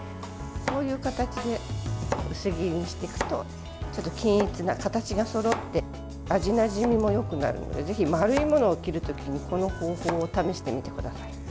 こういう形で薄切りにしていくと均一な、形がそろって味なじみもよくなるのでぜひ丸いものを切るときにこの方法を試してみてください。